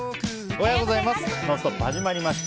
おはようございます。